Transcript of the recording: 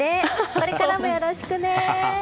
これからもよろしくね！